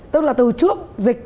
tức là từ trước dịch